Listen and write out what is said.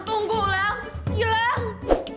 itu bukan alasan untuk membohongi orang